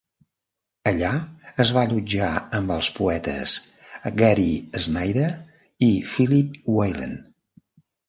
Allà es va allotjar amb els poetes Gary Snyder i Philip Whalen.